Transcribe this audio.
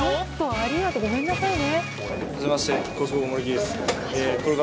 ありがとう、ごめんなさいね。